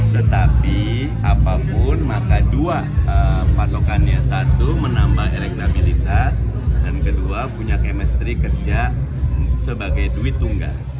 tetapi apapun maka dua patokannya satu menambah elektabilitas dan kedua punya chemistry kerja sebagai duit tunggal